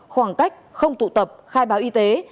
khoảng cách không tụ tập khai báo y tế